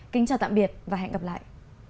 kính chào tạm biệt và hẹn gặp lại